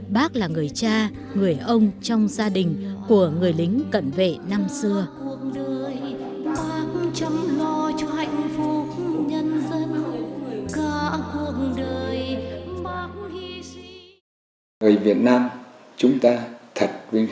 bác là người cha người ông trong gia đình của người lính cận vệ năm xưa